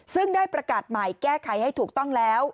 ซึ่งได้ประกาศใหม่แก้ไขให้ถูกต้องแล้ว